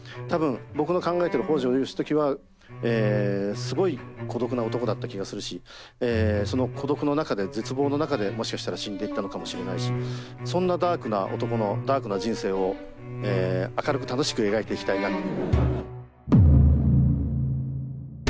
たぶん僕の考えている北条義時はすごい孤独な男だった気がするしその孤独の中で絶望の中でもしかしたら死んでいったのかもしれないしそんなダークな男のダークな人生を明るく楽しく描いていきたいな。